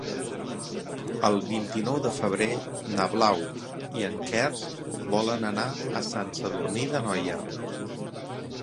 El vint-i-nou de febrer na Blau i en Quer volen anar a Sant Sadurní d'Anoia.